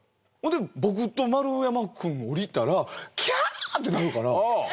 僕と丸山くん降りたらキャーッてなるから。